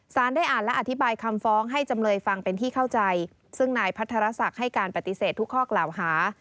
ได้อ่านและอธิบายคำฟ้องให้จำเลยฟังเป็นที่เข้าใจซึ่งนายพัทรศักดิ์ให้การปฏิเสธทุกข้อกล่าวหา